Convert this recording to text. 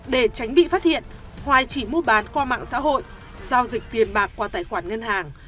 để tránh bị phát hiện hoài chỉ mua bán qua mạng xã hội giao dịch tiền bạc qua tài khoản ngân hàng